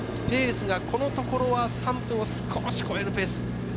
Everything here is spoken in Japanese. ペースがこのところは３分を少し超えるペース。